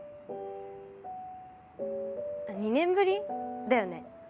２年ぶりだよね？